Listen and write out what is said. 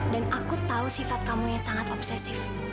dan aku tahu sifat kamu yang sangat obsesif